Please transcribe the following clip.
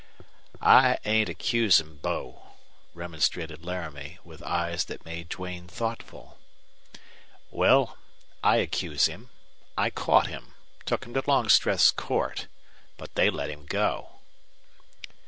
"I ain't accusin' Bo," remonstrated Laramie, with eyes that made Duane thoughtful. "Well, I accuse him. I caught him took him to Longstreth's court. But they let him go."